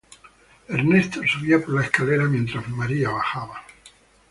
Ernesto subía por la escalera mientras María bajaba.